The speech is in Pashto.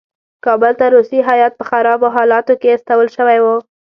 کابل ته روسي هیات په خرابو حالاتو کې استول شوی وو.